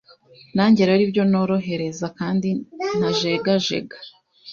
Nanjye rero ibyo norohereza kandi ntajegajega